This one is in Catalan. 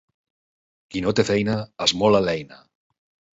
Qui no té feina, esmola l'eina.